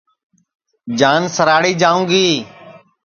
جان سراڑھی جاوں گی